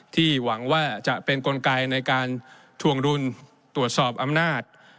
หวังว่าจะเป็นกลไกในการทวงดุลตรวจสอบอำนาจ